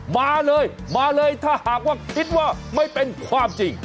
มาเลยมาเลยถ้าหากว่าคิดว่าไม่เป็นความจริง